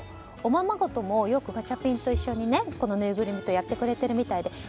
おままごともよくガチャピンと一緒にやってくれてるみたいで。